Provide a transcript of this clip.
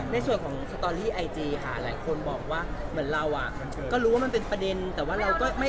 ในส่วนของสตอรี่ไอจีค่ะหลายคนบอกว่าเหมือนเราอะก็รู้ว่ามันเป็นประเด็นแต่ว่าเราก็ไม่เอาลงสักทีอะไรอย่างเงี้ย